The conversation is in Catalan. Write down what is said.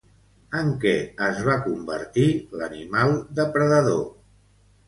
En què es va convertir l'animal depredador?